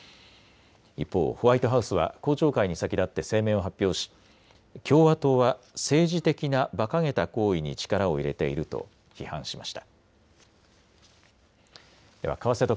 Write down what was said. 一方、ホワイトハウスは公聴会に先立って声明を発表し、共和党は政治的なばかげた行為に力を入れていると批判しました。